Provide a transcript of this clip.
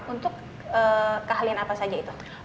untuk keahlian apa saja itu